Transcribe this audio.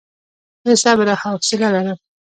زه صبر او حوصله لرم.